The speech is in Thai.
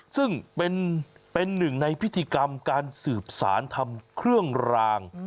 ซึ่งเป็นหนึ่งในพิธีกรรมการสืบสารทำเครื่องราง